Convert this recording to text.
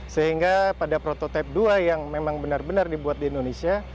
sehingga pada prototipe dua yang memang benar benar dibuat di indonesia